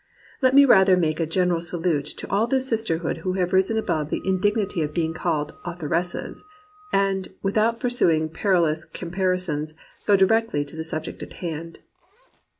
Let me rather make a general salute to all the sisterhood who have risen above the indig nity of being called "authoresses," and, without pursuing perilous comparisons, go directly to the subject in hand.